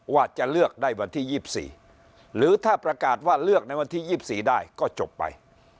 ว่าจะเลือกได้วันที่๒๔หรือถ้าประกาศว่าเลือกในวันที่๒๔ได้ก็จบไป